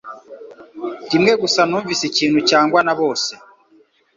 Rimwe gusa, numvise ikintu cyangwa na bose